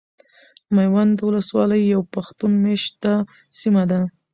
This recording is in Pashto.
ميوند ولسوالي يو پښتون ميشته سيمه ده .